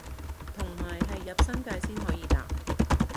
同埋係入新界先可以搭